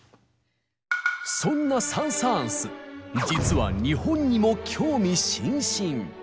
そんなサン・サーンス実は日本にも興味津々。